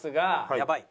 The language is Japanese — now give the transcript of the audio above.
やばい。